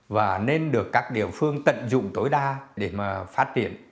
và nên được các địa phương tận dụng tối đa để mà phát triển